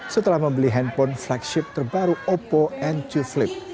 setelah membeli handphone flagship terbaru oppo n dua flip